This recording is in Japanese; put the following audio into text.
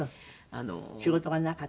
仕事がなかった？